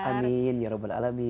amin ya rabbal alamin